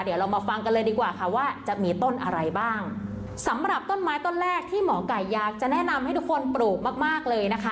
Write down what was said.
เดี๋ยวเรามาฟังกันเลยดีกว่าค่ะว่าจะมีต้นอะไรบ้างสำหรับต้นไม้ต้นแรกที่หมอไก่อยากจะแนะนำให้ทุกคนปลูกมากมากเลยนะคะ